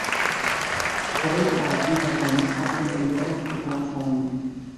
Felip Vall i Verdaguer va ser un pintor nascut a Barcelona.